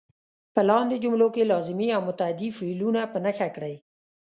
په لاندې جملو کې لازمي او متعدي فعلونه په نښه کړئ.